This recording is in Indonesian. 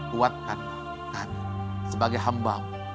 kuatkanlah kami sebagai hambamu